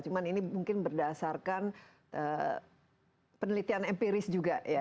cuma ini mungkin berdasarkan penelitian empiris juga ya